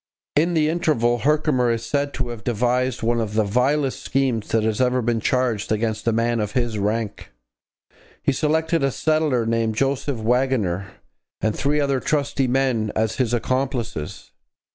In the interval Herkimer is said to have devised one of the vilest schemes that has ever been charged against a man of his rank. He selected a settler, named Joseph Waggoner, and three other trusty men as his accomplices.